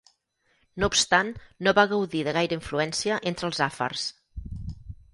No obstant no va gaudir de gaire influència entre els àfars.